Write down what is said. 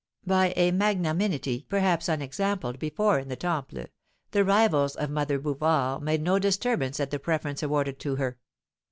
By a magnanimity, perhaps unexampled before in the Temple, the rivals of Mother Bouvard made no disturbance at the preference awarded to her.